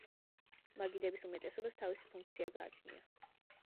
მაგიდების უმეტესობას თავისი ფუნქცია გააჩნია.